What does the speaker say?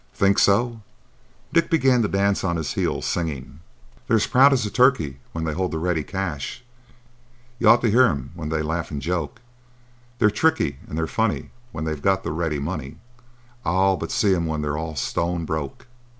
"Think so?" Dick began to dance on his heels, singing— "They're as proud as a turkey when they hold the ready cash, You ought to 'ear the way they laugh an' joke; They are tricky an' they're funny when they've got the ready money,— Ow! but see 'em when they're all stone broke."